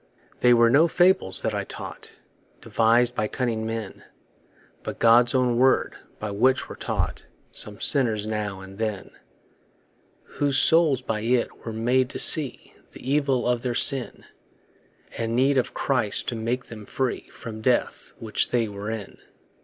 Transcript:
They were no fables that I taught, Devis'd by cunning men, But God's own word, by which were caught Some sinners now and then. Whose souls by it were made to see The evil of their sin; And need of Christ to make them free From death, which they were in.